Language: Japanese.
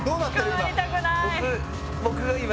捕まりたくない。